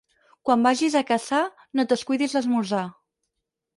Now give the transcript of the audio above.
Quan vagis a caçar no et descuidis l'esmorzar.